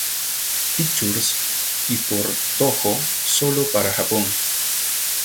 Pictures y por Toho solo para Japón.